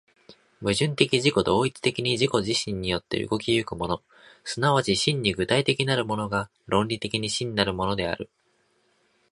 矛盾的自己同一的に自己自身によって動き行くもの、即ち真に具体的なるものが、論理的に真なるものである。